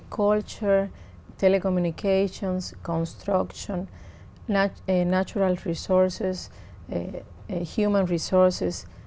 chúng tôi chưa có một kế hoạch hoàn toàn